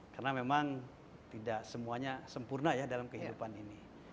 karena memang tidak semuanya sempurna ya dalam kehidupan ini